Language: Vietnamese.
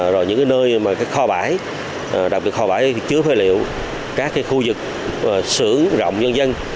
rồi những nơi mà cái kho bãi đặc biệt kho bãi chứa phế liệu các cái khu vực sửa rộng dân dân